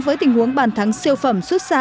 với tình huống bàn thắng siêu phẩm xuất xa